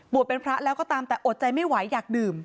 เป็นพระแล้วก็ตามแต่อดใจไม่ไหวอยากดื่ม